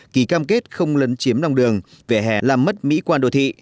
kỳ cam kết không lấn chiếm lòng đường về hè làm mất mỹ quan đô thị